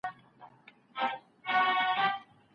کورنۍ باید د یو بل سليقې ته بې پروا نه وي.